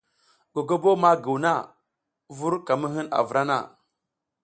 Gogobo ma giruw na, vur ka ma hin a vra na.